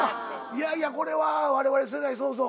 いやいやこれはわれわれ世代そうそう。